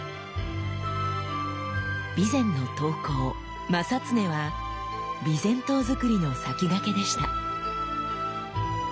備前の刀工正恒は備前刀作りの先駆けでした。